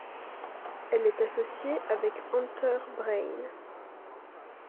Elle est associée avec Enterbrain.